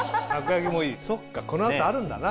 そっかこの後あるんだな。